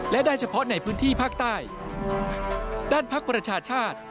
และได้เฉพาะในพื้นที่ภาคใต้ด้านพักประชาชาติ